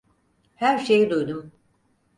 Her şeyi duydum.